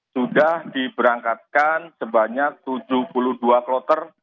sudah diberangkatkan sebanyak tujuh puluh dua kloter